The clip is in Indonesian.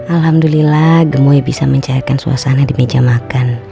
alhamdulillah gemui bisa mencairkan suasana di meja makan